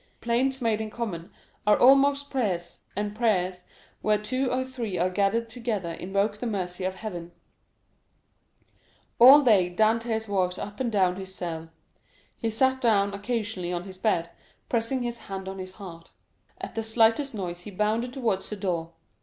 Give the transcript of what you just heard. Plaints made in common are almost prayers, and prayers where two or three are gathered together invoke the mercy of heaven. All day Dantès walked up and down his cell. He sat down occasionally on his bed, pressing his hand on his heart. At the slightest noise he bounded towards the door.